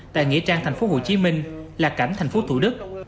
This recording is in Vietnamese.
tại nghĩa trang thành phố hồ chí minh là cảnh thành phố thủ đức